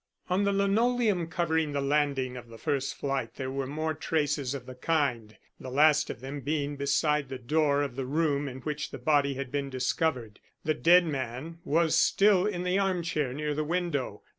On the linoleum covering the landing of the first flight there were more traces of the kind, the last of them being beside the door of the room in which the body had been discovered. The dead man was still in the arm chair near the window.